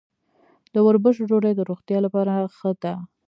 د وربشو ډوډۍ د روغتیا لپاره ښه ده.